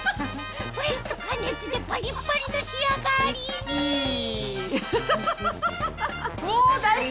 プレスと加熱でパリッパリの仕上がりにお大福！